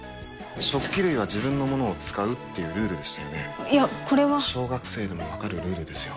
食器類は自分の物を使うっていうルールでしたよねいやこれは小学生でも分かるルールですよ